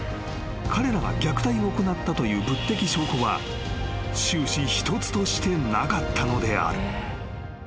彼らが虐待を行ったという物的証拠は終始一つとしてなかったのである］